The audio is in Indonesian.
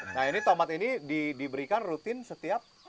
nah ini tomat ini diberikan rutin setiap